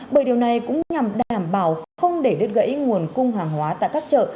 bởi điều này cũng nhằm đảm bảo không để đứt gãy nguồn cung hàng hóa tại các chợ